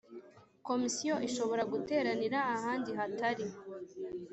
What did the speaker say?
Komisiyo ishobora guteranira ahandi hatari